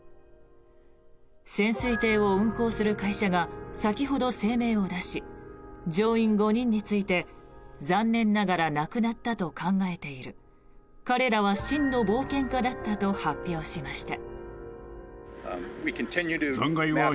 潜水艇を運航する会社が先ほど声明を出し乗員５人について残念ながら亡くなったと考えている彼らは真の冒険家だったと発表しました。